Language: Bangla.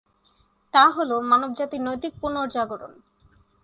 তা হল, মানবজাতির নৈতিক পুনর্জাগরণ।